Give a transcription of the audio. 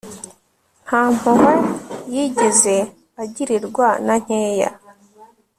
Ntampuhwe yigeze agirirwa na nkeya